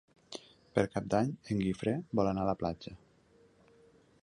Per Cap d'Any en Guifré vol anar a la platja.